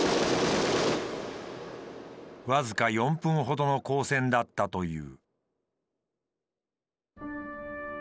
僅か４分ほどの交戦だったという。